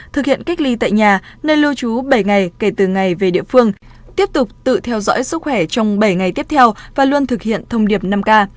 thực hiện cách ly tại nhà nơi lưu trú bảy ngày kể từ ngày về địa phương tiếp tục tự theo dõi sức khỏe trong bảy ngày tiếp theo và luôn thực hiện thông điệp năm k